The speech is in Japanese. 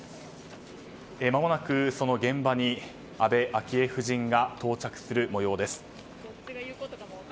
まもなく、現場に安倍昭恵夫人が到着する模様です。